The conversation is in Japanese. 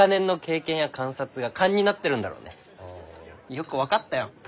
よく分かったよ。